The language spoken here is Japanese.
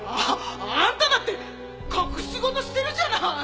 ああんただって隠し事してるじゃない！